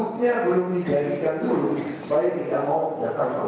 batal kesebihan atau apa